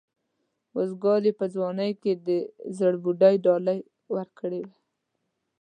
روزګار یې په ځوانۍ کې د زړبودۍ ډالۍ ورکړې وه.